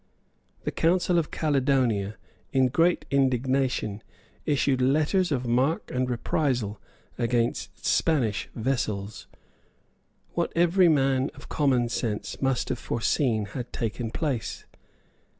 The Council of Caledonia, in great indignation, issued letters of mark and reprisal against Spanish vessels. What every man of common sense must have foreseen had taken place.